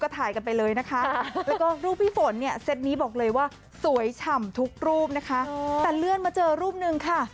แต่เลื่อนมาเจอรูปหนึ่งค่ะ